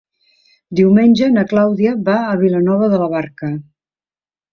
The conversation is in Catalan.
Diumenge na Clàudia va a Vilanova de la Barca.